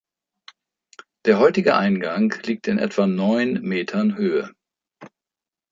Der heutige Eingang liegt in etwa neun Metern Höhe.